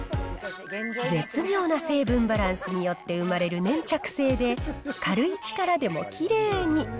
絶妙な成分バランスによって生まれる粘着性で、軽い力でもきれいに。